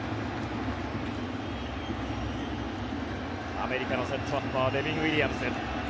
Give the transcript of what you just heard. アメリカのセットアッパーデビン・ウィリアムズ。